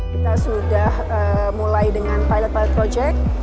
kita sudah mulai dengan pilot pilot project